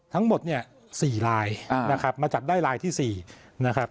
ทั้งหมดเนี่ย๔ลายนะครับมาจับได้ลายที่๔นะครับ